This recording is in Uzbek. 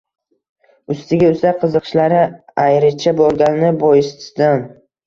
Ustiga-ustak, qiziqishlari ayricha bo‘lgani boisidan